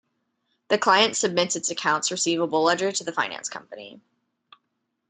The client submits its accounts receivable ledger to the finance company.